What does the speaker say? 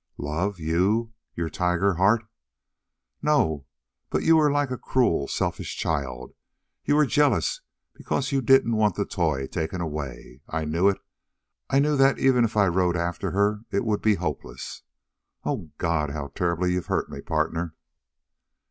"Love you your tiger heart? No, but you were like a cruel, selfish child. You were jealous because you didn't want the toy taken away. I knew it. I knew that even if I rode after her it would be hopeless. Oh, God, how terribly you've hurt me, partner!"